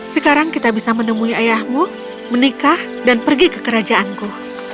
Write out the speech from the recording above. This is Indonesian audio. sekarang kita bisa menemui ayahmu menikah dan pergi ke kerajaanku